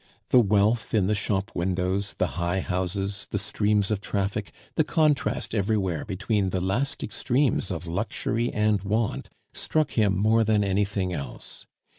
The wealth in the shop windows, the high houses, the streams of traffic, the contrast everywhere between the last extremes of luxury and want struck him more than anything else.